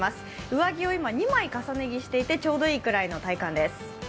上着を今２枚重ね着していてちょうどいいくらいの体感です。